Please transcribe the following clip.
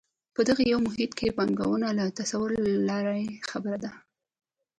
په دغسې یو محیط کې پانګونه له تصوره لرې خبره ده.